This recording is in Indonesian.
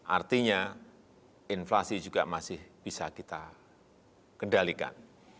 artinya inflasi juga masih bisa kita kendalikan